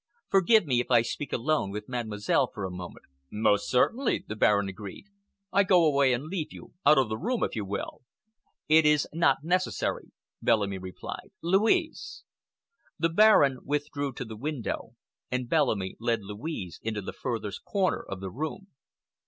Forgive me if I speak alone with Mademoiselle for a moment." "Most certainly," the Baron agreed. "I go away and leave you—out of the room, if you will." "It is not necessary," Bellamy replied. "Louise!" The Baron withdrew to the window, and Bellamy led Louise into the furthest corner of the room.